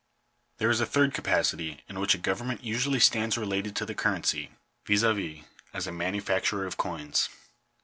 There is a third capacity in which a government usually stands related to the currency, viz., as a manufacturer of coins.